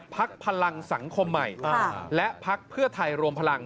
พลังสังคมใหม่และพักเพื่อไทยรวมพลัง